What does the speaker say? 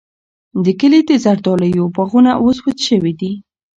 د کلي د زردالیو باغونه اوس وچ شوي دي.